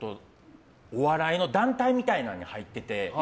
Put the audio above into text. お笑いの団体みたいなのに入っていて。